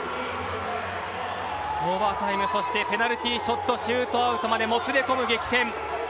オーバータイムペナルティーショットシュートアウトまでもつれ込む激戦。